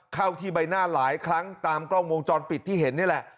เข้าที่ใบหน้าหลายครั้งตามกล้องวงจรปิดที่เห็นนี่แหละ